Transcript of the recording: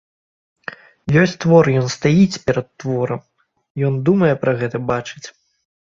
Ёсць твор, ён стаіць перад творам, ён думае пра гэта, бачыць.